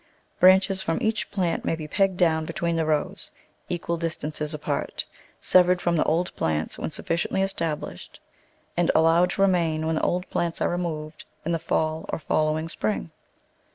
Branches from each plant may be pegged down between the rows, equal distances apart, severed from the old plants when sufficiently established, and al Digitized by Google 7a The Flower Garden [Chapter lowed to remain when the old plants are removed in the fall or following spring.